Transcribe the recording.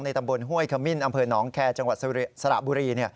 ตำบลห้วยขมิ้นอำเภอหนองแคร์จังหวัดสระบุรี